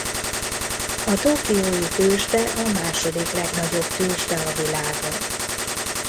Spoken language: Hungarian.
A tokiói tőzsde a második legnagyobb tőzsde a világon.